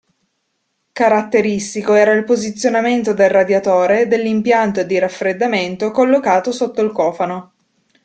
Caratteristico era il posizionamento del radiatore dell'impianto di raffreddamento, collocato sotto il cofano.